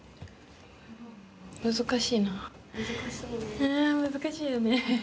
ねえ難しいよね。